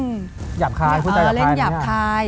หยับคายพูดแซวกันหยับคายอย่างนี้ฮะอ๋อเล่นหยับคาย